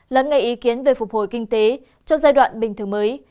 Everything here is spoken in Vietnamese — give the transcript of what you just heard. lắng nghe ý kiến về phục hồi kinh tế trong giai đoạn bình thường mới